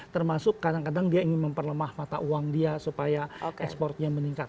termasuk kadang kadang dia ingin memperlemah mata uang dia supaya ekspornya meningkat